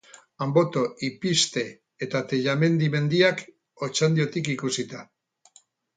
Anboto, Ipizte eta Tellamendi mendiak, Otxandiotik ikusita.